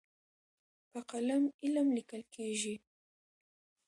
په قلم علم لیکل کېږي.